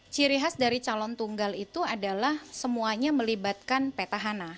ciri khas dari calon tunggal itu adalah semuanya melibatkan petahana